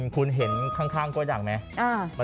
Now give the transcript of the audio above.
คุณเห็นข้างกล้วยดังไหม